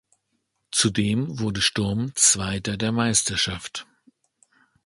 Zudem wurde Sturm Zweiter der Meisterschaft.